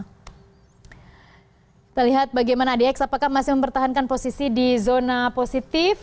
kita lihat bagaimana adx apakah masih mempertahankan posisi di zona positif